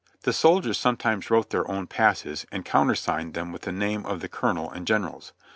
The soldiers sometimes wrote their own passes and counter signed them with the name of the colonel and generals.